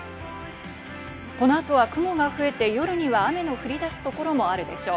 この後は雲が増えて、夜には雨の降り出す所もあるでしょう。